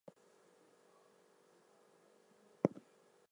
Dye obtained from the bark is also used for dyeing fibre and cotton.